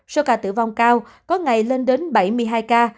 số ca tử vong cao có ngày lên đến bảy mươi hai ca